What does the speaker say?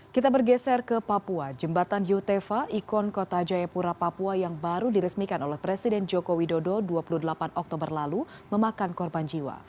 kita bergeser ke papua jembatan yutefa ikon kota jayapura papua yang baru diresmikan oleh presiden joko widodo dua puluh delapan oktober lalu memakan korban jiwa